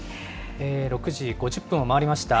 ６時５０分を回りました。